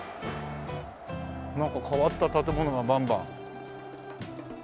なんか変わった建物がバンバン。